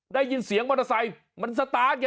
ได้ยินเสียงมอเตอร์ไซค์มันสตาร์ทไง